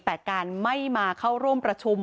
แต่การไม่มาเข้าร่วมประชุม